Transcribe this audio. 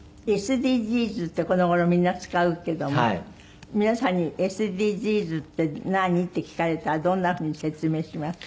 ＳＤＧｓってこの頃みんな使うけども皆さんに「ＳＤＧｓって何？」って聞かれたらどんなふうに説明します？